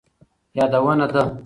یادونه ده